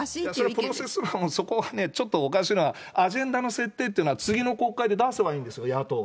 そのプロセス、そこはね、ちょっとおかしな、アジェンダの設定というのは、次の国会で出せばいいんですよ、野党が。